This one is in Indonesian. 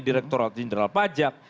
direktur jenderal pajak